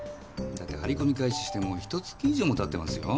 張り込みを開始してもうひと月以上も経ってますよ？